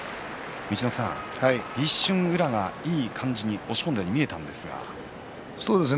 陸奥さん、一瞬、宇良がいい感じに押し込んだようにそうですね